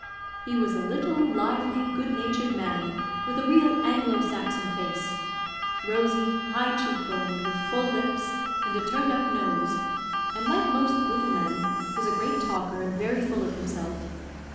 He was a little, lively, good natured manny, with a real Anglo Saxon face, rosy, high cheek boned, with full lips, and a turned up nose; and, like most little men, was a great talker, and very full of himself.